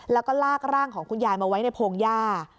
แล้วก็ลากร่างของคุณยายมาไว้ในโพงหญ้า